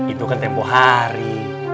itu kan tempoh hari